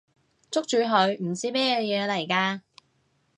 捉住佢！唔知咩嘢嚟㗎！